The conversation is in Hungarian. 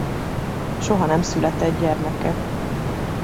Soha nem született gyermeke.